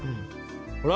ほら！